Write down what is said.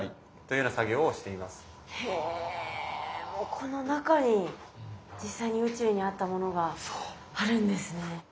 ここの中に実際に宇宙にあったものがあるんですね。